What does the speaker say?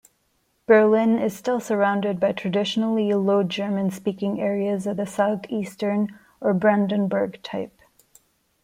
Berlin is still surrounded by traditionally Low-German-speaking areas of the southeastern or Brandenburg type.